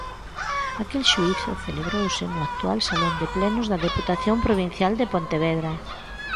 Aquel xuízo celebrouse no actual salón de plenos da Deputación Provincial de Pontevedra.